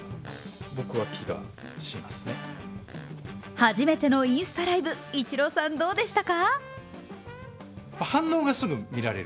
初めてのインスタライブイチローさん、どうでしたか？